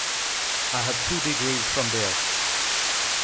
I have two degrees from there.